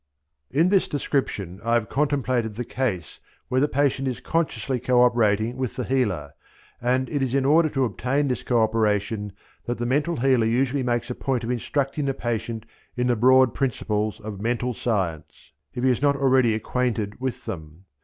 In this description I have contemplated the case where the patient is consciously co operating with the healer, and it is in order to obtain this co operation that the mental healer usually makes a point of instructing the patient in the broad principles of Mental Science, if he is not already acquainted with them.